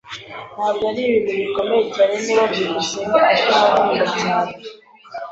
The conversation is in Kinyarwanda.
Ntabwo ari ibintu bikomeye cyane niba byukusenge atankunda cyane.